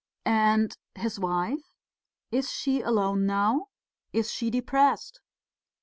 "And his wife ... is she alone now? Is she depressed?"